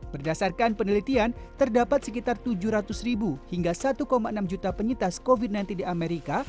berdasarkan penelitian terdapat sekitar tujuh ratus ribu hingga satu enam juta penyintas covid sembilan belas di amerika